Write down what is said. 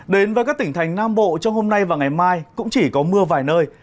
đến với các tỉnh thành nam bộ trong hôm nay và ngày mai cũng chỉ có mưa vài nơi